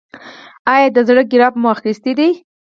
ایا د زړه ګراف مو اخیستی دی؟